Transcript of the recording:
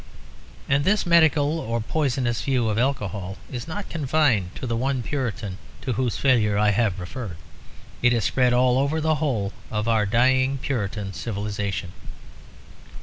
And this medical or poisonous view of alcohol is not confined to the one Puritan to whose failure I have referred, it is spread all over the whole of our dying Puritan civilisation.